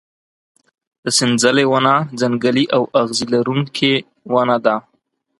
د سنځلې ونه ځنګلي او اغزي لرونکې ونه ده.